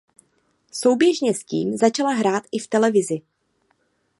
Souběžně s tím začala hrát i v televizi.